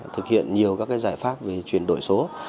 thực hiện nhiều các giải pháp về chuyển đổi số